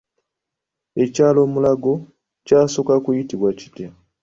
Ekyalo Mulago kyasooka kuyitibwa kitya?